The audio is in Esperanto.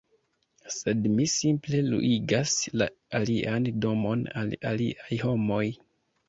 sed mi simple luigas la alian domon al aliaj homoj